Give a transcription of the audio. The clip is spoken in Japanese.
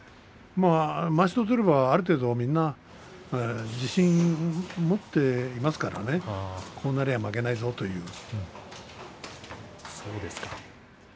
まわしを取ればある程度、みんな自信持っていますからねこうなれば負けないぞというね。